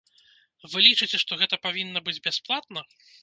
Вы лічыце, што гэта павінна быць бясплатна?